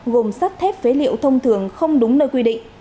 gồm sắt thép phế liệu thông thường không đúng nơi quy định